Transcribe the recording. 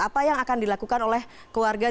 apa yang akan dilakukan oleh keluarga